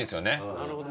なるほど。